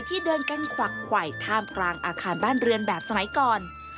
ที่เดินกันขวักไขว่ท่ามกลางอาคารบ้านเรือนแบบสมัยก่อน